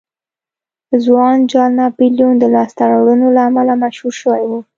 ځوان جال ناپلیون د لاسته راوړنو له امله مشهور شوی و.